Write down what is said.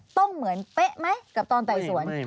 ต้องเหมือนเป๊ะไหมกับตอนไต่สวน